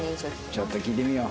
ちょっと聞いてみよう。